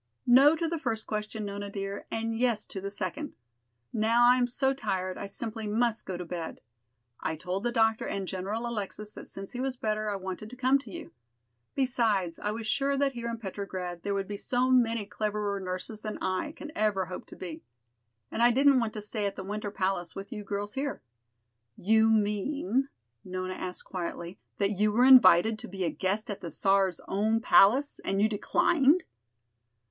"No, to the first question, Nona dear, and yes, to the second. Now I am so tired I simply must go to bed. I told the doctor and General Alexis that since he was better, I wanted to come to you. Besides, I was sure that here in Petrograd there would be so many cleverer nurses than I can ever hope to be. And I didn't want to stay at the Winter Palace with you girls here." "You mean," Nona asked quietly, "that you were invited to be a guest at the Czar's own palace and you declined?"